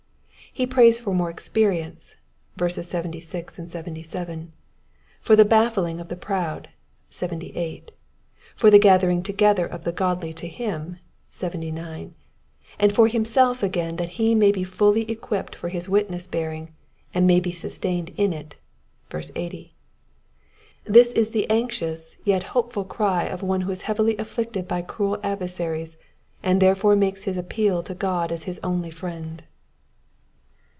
He prays for more experience (76, 77), for the baffling of the proud (78), for the gathering to gether of the godly to him (79), and for himself again that he may be fully equipped for his witness bearing and may be sustained in it (80). This is the anxious yet hopeful cry of one who is heavily afilicted by cruel adver saries, and therefore makes his appeal to God as his only friend.